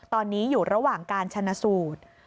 ตอนนี้อยู่ระหว่างการชนะสูตร